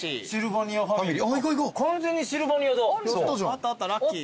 あったあったラッキー。